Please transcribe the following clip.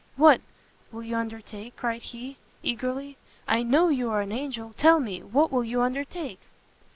"What will you undertake?" cried he, eagerly, "I know you are an angel! tell me, what will you undertake?"